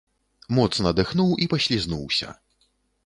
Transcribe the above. Моцна дыхнуў і паслізнуўся.